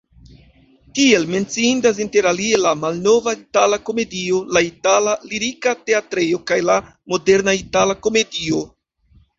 Tiel menciindas interalie la malnova Itala-Komedio, la itala Lirika-Teatrejo kaj la moderna Itala-Komedio.